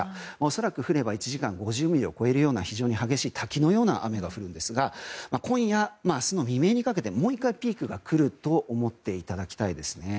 恐らく降れば１時間５０ミリを超えるような非常に激しい滝のような雨が降るんですが今夜から明日に未明にかけてもう１回ピークが来ると思っていただきたいですね。